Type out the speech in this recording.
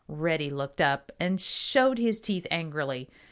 Reddy looked up and showed his teeth angrily.